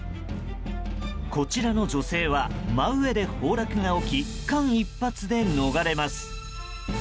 こちらの女性は真上で崩落が起き間一髪で逃れます。